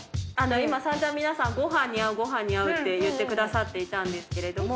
今散々皆さんご飯に合うご飯に合うって言ってくださっていたんですが。